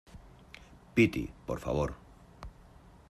piti, por favor.